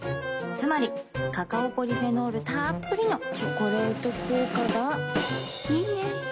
つまりカカオポリフェノールたっぷりの「チョコレート効果」がいいね。